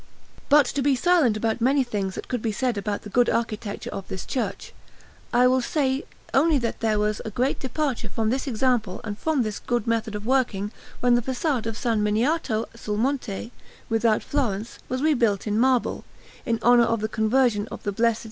But to be silent about many things that could be said about the good architecture of this church, I will say only that there was a great departure from this example and from this good method of working when the façade of S. Miniato sul Monte without Florence was rebuilt in marble, in honour of the conversion of the Blessed S.